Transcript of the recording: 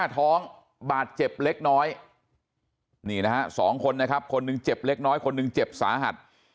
สองคนนะครับคนนึงเจ็บเล็กน้อยคนนึงเจ็บสาหัส